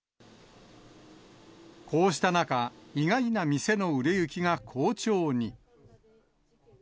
こうした中、意外な店の売れ行きが好調に。